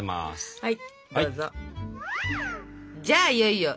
はい！